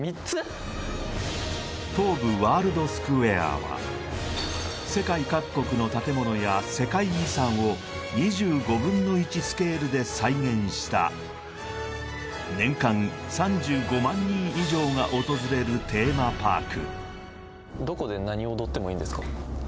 絶対世界各国の建物や世界遺産を２５分の１スケールで再現した年間３５万人以上が訪れるテーマパーク